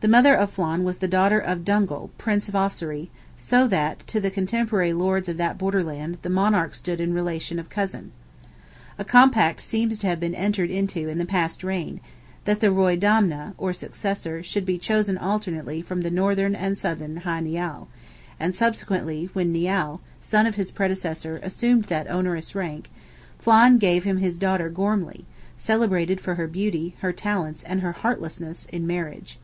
The mother of Flan was the daughter of Dungal, Prince of Ossory, so that to the cotemporary lords of that borderland the monarch stood in the relation of cousin. A compact seems to have been entered into in the past reign, that the Roydamna, or successor, should be chosen alternately from the Northern and Southern Hy Nial; and, subsequently, when Nial, son of his predecessor, assumed that onerous rank, Flan gave him his daughter Gormley, celebrated for her beauty, her talents, and her heartlessness, in marriage.